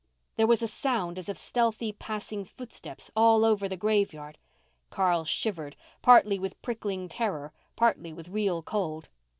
There was a sound as of stealthy passing footsteps all over the graveyard. Carl shivered, partly with prickling terror, partly with real cold.